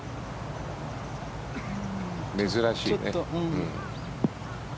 珍しいね。